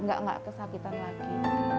nggak kesakitan lagi